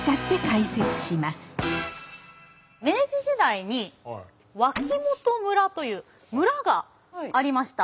明治時代に脇本村という村がありました。